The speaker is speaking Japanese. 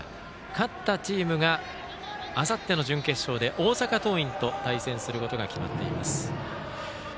勝ったチームがあさっての準決勝で大阪桐蔭と対戦することが決まっています。